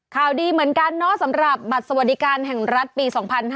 ข่าวดีเหมือนกันเนาะสำหรับบัตรสวัสดิการแห่งรัฐปี๒๕๕๙